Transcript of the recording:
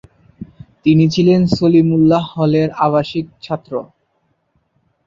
তিনি ছিলেন সলিমুল্লাহ হলের আবাসিক ছাত্র।